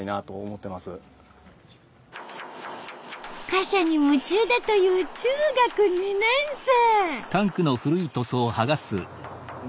貨車に夢中だという中学２年生。